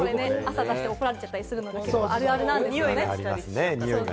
怒られちゃったりするのであるあるなんですよね。